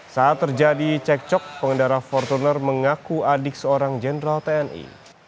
saat terjadi cekcok pengendara fortuner mengaku adik seorang jenderal tni